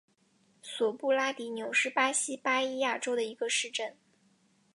索布拉迪纽是巴西巴伊亚州的一个市镇。